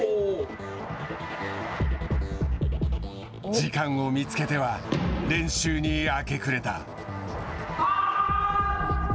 時間を見つけては練習に明け暮れた。